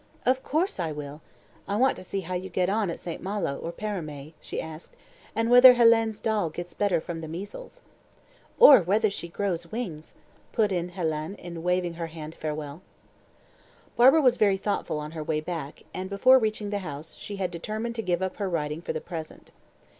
"Of course I will. I want to see how you get on at St. Malo or Paramé," she said, "and whether Hélène's doll gets better from the measles." "Or whether she grows wings," put in Hélène in waving her hand in farewell. Barbara was very thoughtful on her way back, and before reaching the house, she had determined to give up her riding for the present.